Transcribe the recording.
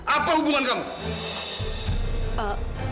apa hubungan kamu